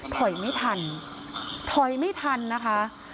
ถอยไม่ทันถอยไม่ทันนะคะ